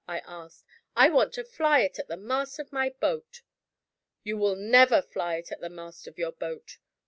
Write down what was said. I asked. "I want to fly it at the mast of my boat." "You will never fly it at the mast of your boat!"